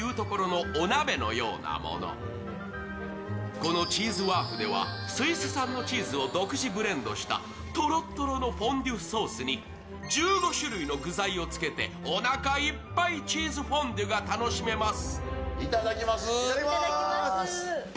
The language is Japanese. このチーズワーフではスイス産のチーズを独自ブレンドしたとろっとろのフォンデュソースに１５種類の具材をつけておなかいっぱいチーズフォンデュが楽しめます。